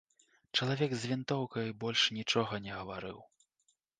Чалавек з вінтоўкаю больш нічога не гаварыў.